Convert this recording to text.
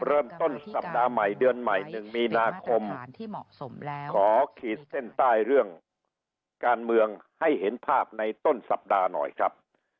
เริ่มต้นสัปดาห์ใหม่เดือนใหม่๑มีนาคมที่เหมาะสมแล้วขอขีดเส้นใต้เรื่องการเมืองให้เห็นภาพในต้นสัปดาห์หน่อยครับ